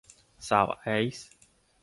สาวไอซ์